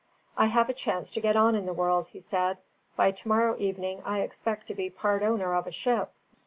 "I have a chance to get on in the world," he said. "By to morrow evening I expect to be part owner of a ship."